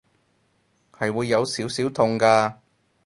係會有少少痛㗎